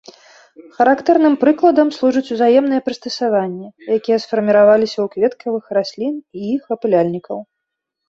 Характэрным прыкладам служаць узаемныя прыстасаванні, якія сфарміраваліся ў кветкавых раслін і іх апыляльнікаў.